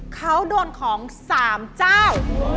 เขาโดนของ๓เจ้า